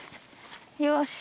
よし。